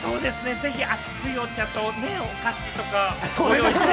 ぜひ熱いお茶とお菓子とかね、用意して。